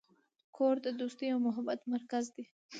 کور د دوستۍ او محبت مرکز دی.